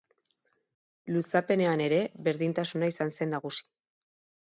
Luzapenean ere, berdintasuna izan zen nagusi.